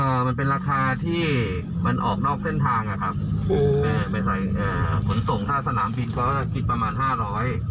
อ่ามันเป็นราคาที่มันออกนอกเส้นทางอะครับโอ้ไปใส่เอ่อผลส่งท่าสนามบินเขาจะติดประมาณห้าหลอย